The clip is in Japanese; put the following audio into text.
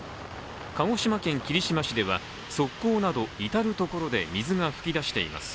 鹿児島県霧島市では、側溝など至る所で水が噴き出しています。